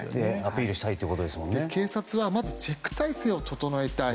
しかし警察はまずチェック体制を整えたい。